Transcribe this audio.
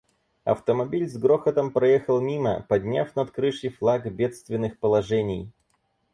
Автомобиль с грохотом проехал мимо, подняв над крышей флаг бедственных положений.